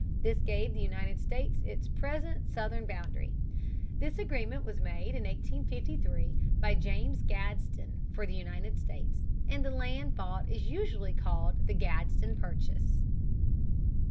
This gave the United States its present southern boundary. This agreement was made in 1853 by James Gadsden for the United States, and the land bought is usually called the Gadsden Purchase.